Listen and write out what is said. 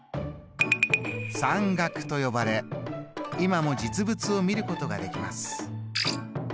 算額と呼ばれ今も実物を見ることができます。